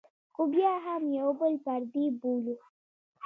خو بیا هم یو بل پردي بولو.